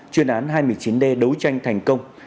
chuyên án hai mươi chín d đấu tranh thành công